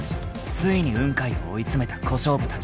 ついに雲海を追い詰めた小勝負たち］